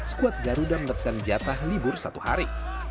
skuad garuda menekan jatah libur satu hari